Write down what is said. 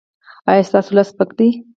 ایا ستاسو لاس سپک دی؟